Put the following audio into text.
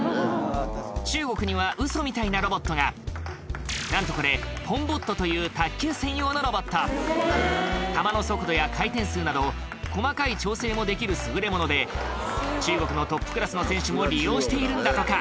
中国にはウソみたいなロボットがなんとこれ球の速度や回転数など細かい調整もできる優れもので中国のトップクラスの選手も利用しているんだとか